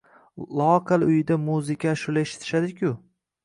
Loaqal uyida muzika-ashula eshitishadi-ku!